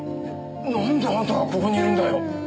なんであんたがここにいるんだよ？